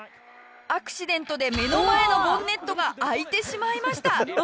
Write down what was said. アクシデントで目の前のボンネットが開いてしまいました。